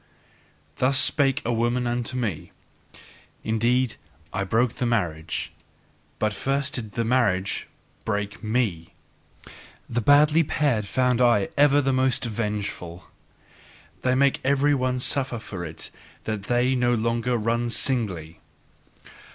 Thus spake a woman unto me: "Indeed, I broke the marriage, but first did the marriage break me!" The badly paired found I ever the most revengeful: they make every one suffer for it that they no longer run singly.